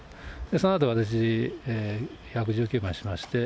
そのあと私、１１９番しまして。